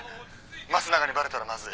「益永にバレたらまずい」